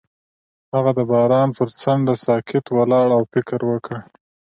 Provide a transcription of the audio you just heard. هغه د باران پر څنډه ساکت ولاړ او فکر وکړ.